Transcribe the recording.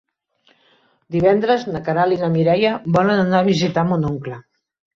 Divendres na Queralt i na Mireia volen anar a visitar mon oncle.